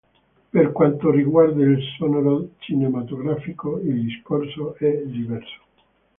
Per quanto riguarda il sonoro cinematografico, il discorso è diverso.